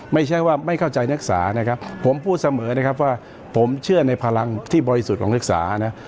ไม่ใช่ว่าไม่เข้าใจนักศึกษานะครับผมพูดเสมอนะครับว่าผมเชื่อในพลังที่บริสุทธิ์ของนักศึกษานะ